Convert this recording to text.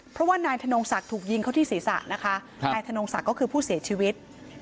เพราะว่านายธนงศักดิ์ถูกยิงเขาที่ศีรษะนะคะนายธนงศักดิ์ก็คือผู้เสียชีวิต